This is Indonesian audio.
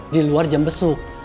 di luar jam besuk